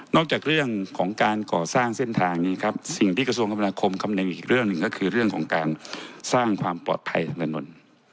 จากเรื่องของการก่อสร้างเส้นทางนี้ครับสิ่งที่กระทรวงคมนาคมคำนึงอีกเรื่องหนึ่งก็คือเรื่องของการสร้างความปลอดภัยทางถนน